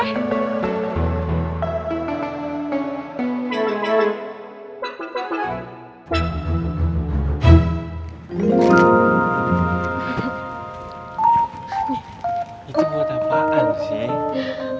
itu buat apaan sih